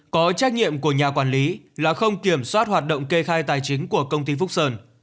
có trách nhiệm của nhà quản lý là không kiểm soát hoạt động kê khai tài chính của công ty phúc sơn